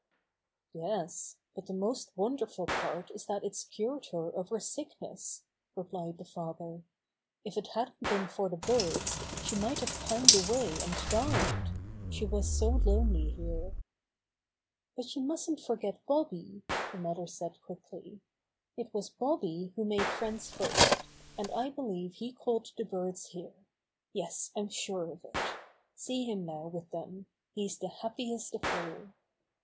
"Yes, but the most wonderful part is that it's cured her of her sickness," replied the father. "If it hadn't been for the birds she might have pined away and died. She was so lonely here." Bobby's Great Surprise 138 "But you mustn't forget Bobby/' the mother said quickly. "It was Bobby who made friends first, and I believe he called the birds here. Yes, I'm sure of it. See him now with them. He's the happiest of all."